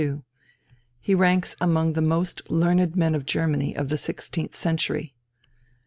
He ranks among the most learned men of Germany of the sixteenth century.